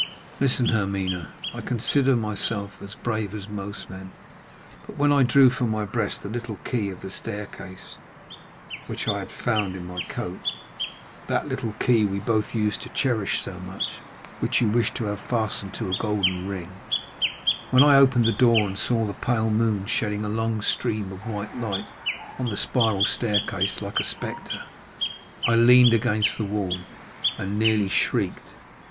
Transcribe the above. "Listen, Hermine; I consider myself as brave as most men, but when I drew from my breast the little key of the staircase, which I had found in my coat—that little key we both used to cherish so much, which you wished to have fastened to a golden ring—when I opened the door, and saw the pale moon shedding a long stream of white light on the spiral staircase like a spectre, I leaned against the wall, and nearly shrieked.